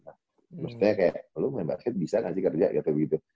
maksudnya kayak lu mau ngembak skit bisa kan jika tidak jatuh begitu